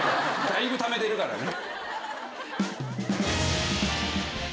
だいぶためてるからね。